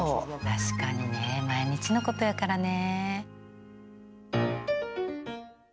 確かにね毎日のことやからね。